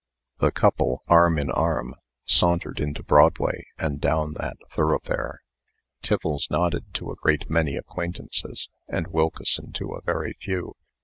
The couple, arm in arm, sauntered into Broadway, and down that thoroughfare. Tiffles nodded to a great many acquaintances, and Wilkeson to a very few.